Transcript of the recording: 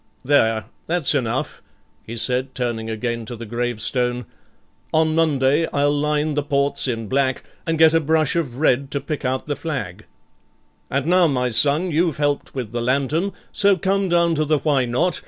There, that's enough,' he said, turning again to the gravestone. 'On Monday I'll line the ports in black, and get a brush of red to pick out the flag; and now, my son, you've helped with the lantern, so come down to the Why Not?